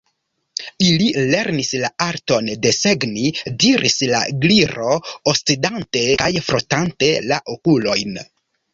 "Ili lernis la arton desegni," diris la Gliro, oscedante kaj frotante la okulojn.